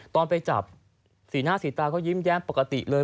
ตอนไปจับสีหน้าสีตาก็ยิ้มแย้มปกติเลย